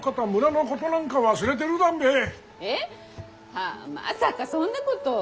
はぁまさかそんなこと。